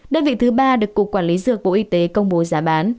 đơn vị thứ ba được cục quản lý dược bộ y tế công bố giá bán